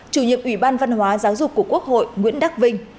chủ nhiệm ủy ban văn hóa giáo dục của quốc hội nguyễn đắc vinh